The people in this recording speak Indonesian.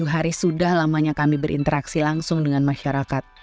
sepuluh hari sudah lamanya kami berinteraksi langsung dengan masyarakat